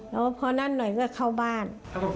แล้วพอนั่นหน่อยก็เข้าบ้าน